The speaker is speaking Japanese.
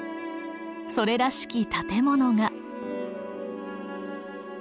それらしき建物が。